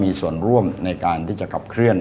มีส่วนร่วมในการที่จะขับเคลื่อน